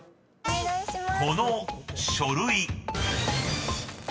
［この書類］